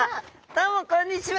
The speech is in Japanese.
どうもこんにちは。